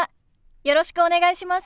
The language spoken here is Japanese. よろしくお願いします。